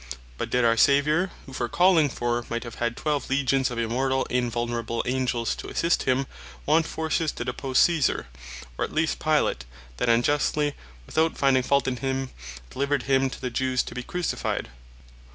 But did our Saviour, who for calling for, might have had twelve Legions of immortall, invulnerable Angels to assist him, want forces to depose Caesar, or at least Pilate, that unjustly, without finding fault in him, delivered him to the Jews to bee crucified?